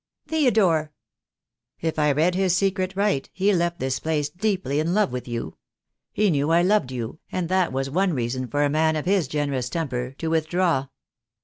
"Theodore!" "If I read his secret right, he left this place deeply in love with you. He knew I loved you, and that was one reason for a man of his generous temper to with draw.